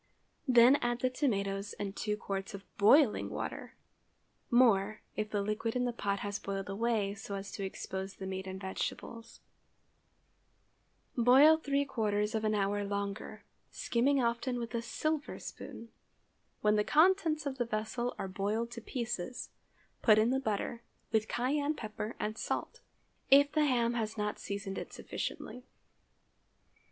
Then add the tomatoes and two quarts of boiling water—more, if the liquid in the pot has boiled away so as to expose the meat and vegetables. Boil three quarters of an hour longer, skimming often with a silver spoon. When the contents of the vessel are boiled to pieces, put in the butter, with cayenne pepper and salt, if the ham has not seasoned it sufficiently.